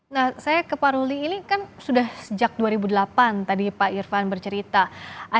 nah saya ke pak ruli ini kan sudah sejak dua ribu delapan tadi pak irfan bercerita